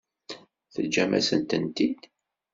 Teǧǧam-asent-t-id.